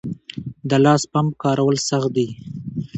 د لاس پمپ کارول سخت دي؟